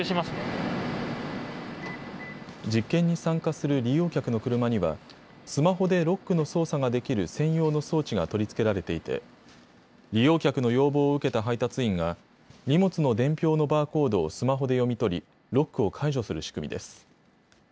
実験に参加する利用客の車にはスマホでロックの操作ができる専用の装置が取り付けられていて利用客の要望を受けた配達員が荷物の伝票のバーコードをスマホで読み取りロックを解除する仕組みです。